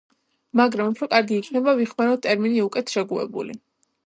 მაგრამ უფრო კარგი იქნება ვიხმაროთ ტერმინი უკეთ შეგუებული.